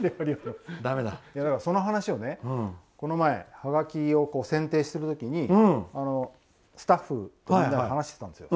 その話をね、この前ハガキを選定しているときにスタッフのみんなが話してたんですよ。